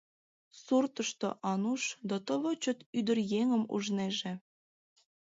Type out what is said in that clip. Суртышто Ануш дотово чот ӱдыръеҥым ужнеже.